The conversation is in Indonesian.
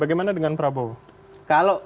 bagaimana dengan prabowo